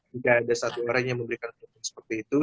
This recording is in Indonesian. jika ada satu orang yang memberikan telepon seperti itu